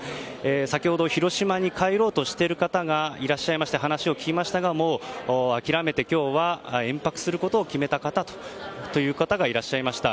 先ほど広島に帰ろうとしている方がいらっしゃいまして話を聞きましたがもう諦めて今日は延泊することを決めたという方がいました。